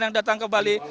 yang datang ke bali